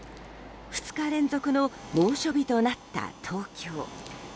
２日連続の猛暑日となった東京。